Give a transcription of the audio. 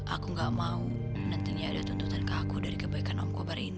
aku gak mau nantinya ada tuntutan ke aku dari kebaikan om kobar ini